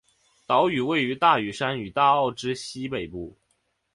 岛屿位于大屿山大澳之西北部。